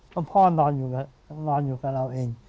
เพราะพ่อนอนอยู่กับเราเอง